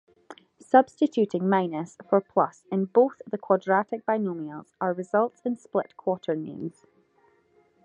Substituting minus for plus in "both" the quadratic binomials also results in split-quaternions.